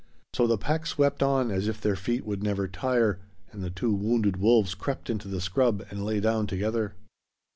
So the pack swept on, as if their feet would never tire, and the two wounded wolves crept into the scrub and lay down together.